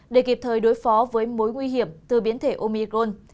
để kịp thời đối phó với mối nguy hiểm từ biến thể omicron